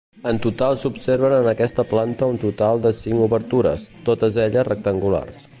En total s'observen en aquesta planta un total de cinc obertures, totes elles rectangulars.